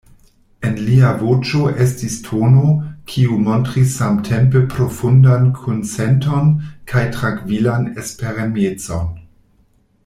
En lia voĉo estis tono, kiu montris samtempe profundan kunsenton kaj trankvilan esperemecon.